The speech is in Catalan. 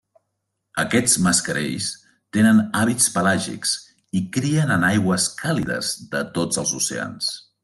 Aquests mascarells tenen hàbits pelàgics i crien en aigües càlides de tots els oceans.